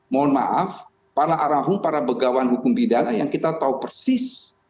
mohon maaf para arahum para begawan hukum bidana yang kita tahu persis